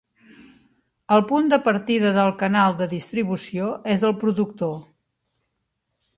El punt de partida del canal de distribució és el productor.